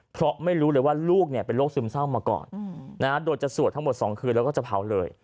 เพราะไม่รู้เลยว่าลูกเป็นโรคซึมเศร้ามาก่อนโดยจะสวดทั้งหมด๒คืนแล้วก็จะเผาเลย